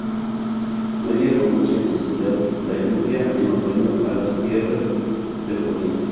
No llega con mucha intensidad la lluvia en otoño a las tierras de poniente.